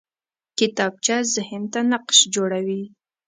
کتابچه ذهن ته نقش جوړوي